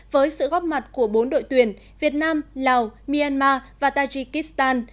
với sự góp mặt của bốn đội tuyển việt nam lào myanmar và tajikistan